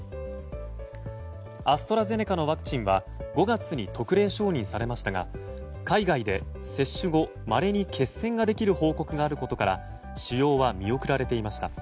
アストラゼネカのワクチンは５月に特例承認されましたが海外で接種後まれに血栓ができる報告があることから使用は見送られていました。